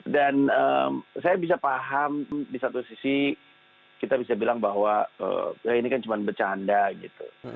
dan saya bisa paham di satu sisi kita bisa bilang bahwa ya ini kan cuma bercanda gitu